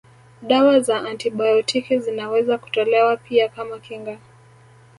Dawa za antibiotiki zinaweza kutolewa pia kama kinga